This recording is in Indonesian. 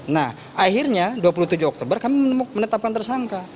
nah akhirnya dua puluh tujuh oktober kami menetapkan tersangka